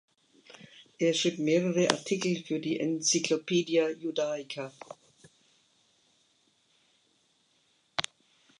Er schrieb mehrere Artikel für die "Encyclopaedia Judaica".